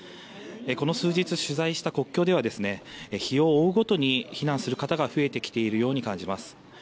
この数日、取材した国境では日を追うごとに避難する方が増えてきているように感じます。